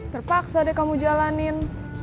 terpaksa deh kamu jalanin